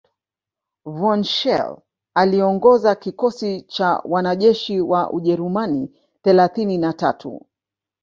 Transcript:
von Schele aliongoza kikosi cha wanajeshi wa Ujerumani thelathini na tatu